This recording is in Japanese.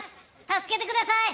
助けてください！